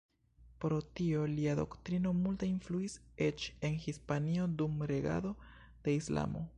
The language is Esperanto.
Pro tio, lia doktrino multe influis eĉ en Hispanio dum regado de Islamo.